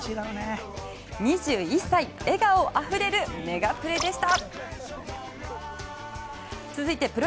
２１歳、笑顔あふれるメガプレでした。